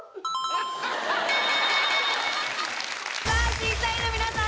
審査員の皆さん